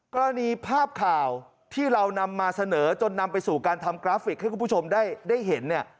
กรณีภาพข่าวที่เรานำมาเสนอจนนำไปสู่การทำกราฟิกให้คุณผู้ชมได้เห็นเนี่ย